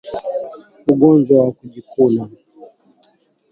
Ugonjwa wa kujikuna